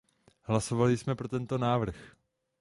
Hlasovali jsme pro tento návrh.